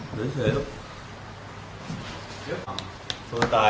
หรือเฉยล่ะสวนตายเนี่ยล่ะอืมอืมเห็นไหมอืม